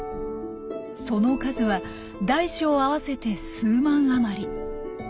その数は大小合わせて数万余り。